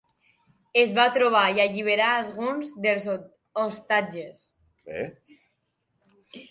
Es va trobar i alliberar alguns dels hostatges.